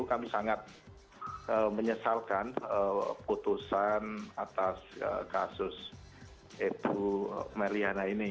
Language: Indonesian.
kami sangat menyesalkan putusan atas kasus ibu meliana ini